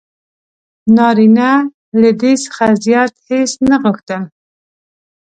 نارینه له دې څخه زیات هیڅ نه غوښتل: